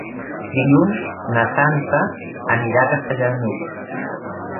Dilluns na Sança anirà a Castellar de n'Hug.